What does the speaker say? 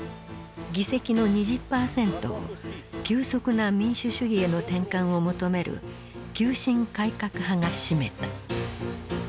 議席の２０％を急速な民主主義への転換を求める急進改革派が占めた。